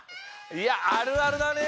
いやあるあるだね。